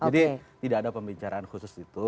jadi tidak ada pembicaraan khusus itu